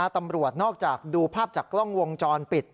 ตำรวจนอกจากดูภาพจากกล้องวงจรปิด